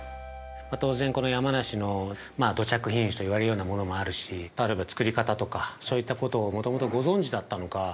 ◆当然、この山梨の土着品種といわれるようなものもあるしつくり方とか、そういったことをもともとご存じだったのか。